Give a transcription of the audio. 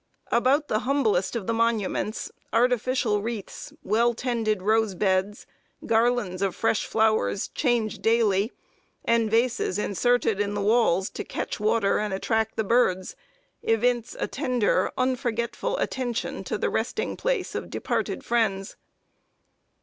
About the humblest of the monuments, artificial wreaths, well tended rose beds, garlands of fresh flowers, changed daily, and vases inserted in the walls, to catch water and attract the birds, evince a tender, unforgetful attention to the resting place of departed friends.